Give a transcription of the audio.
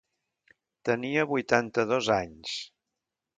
Tenia vuitanta-dos anys.